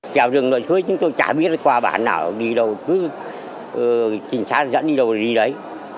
chào đường nội thuế chúng tôi chả biết qua bản nào đi đâu cứ trình sát dẫn đi đâu đi đấy